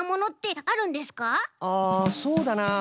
あそうだな